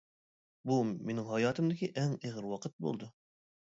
بۇ مىنىڭ ھاياتىمدىكى ئەڭ ئېغىر ۋاقىت بولدى.